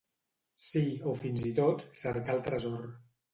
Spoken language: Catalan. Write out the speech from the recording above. Sí, o fins i tot cercar el tresor.